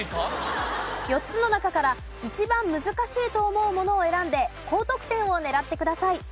４つの中から一番難しいと思うものを選んで高得点を狙ってください。